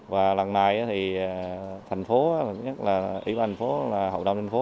và lần này thì thành phố nhất là ủy ban thành phố hậu đông thành phố